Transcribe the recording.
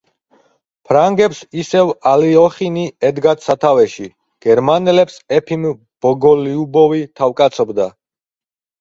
ფრანგებს ისევ ალიოხინი ედგათ სათვეში, გერმანელებს ეფიმ ბოგოლიუბოვი თავკაცობდა.